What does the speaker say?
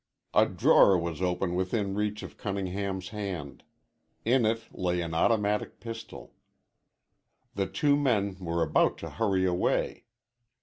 A drawer was open within reach of Cunningham's hand. In it lay an automatic pistol The two men were about to hurry away.